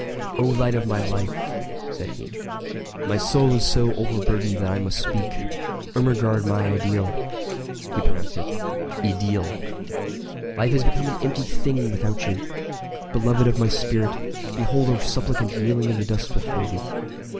"O light of my life," said he, "my soul is so overburdened that I must speak! Ermengarde, my ideal [he pronounced it i deel!], life has become an empty thing without you. Beloved of my spirit, behold a suppliant kneeling in the dust before thee.